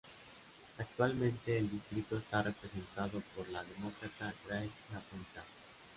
Actualmente el distrito está representado por la Demócrata Grace Napolitano.